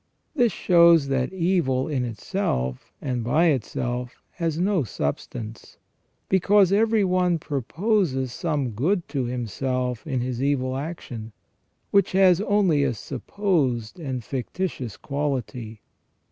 This shows that evil in itself, and by itself, has no substance ; because every one proposes some good to himself in his evil action, which has only a supposed and fictitious quality.